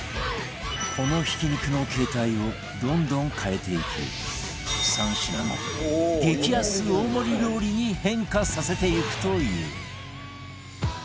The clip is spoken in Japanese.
このひき肉の形態をどんどん変えていき３品の激安大盛り料理に変化させていくという